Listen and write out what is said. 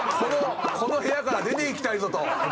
この部屋から出ていきたいぞと。